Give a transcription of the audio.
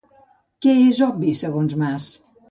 Què és obvi segons Mas?